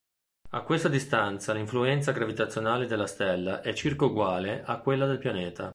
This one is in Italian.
A questa distanza l'influenza gravitazionale della stella è circa uguale a quella del pianeta.